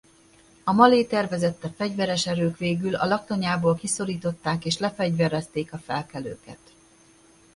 A Maléter vezette fegyveres erők végül a laktanyából kiszorították és lefegyverezték a felkelőket.